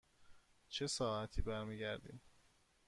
چه ساعتی برمی گردیم؟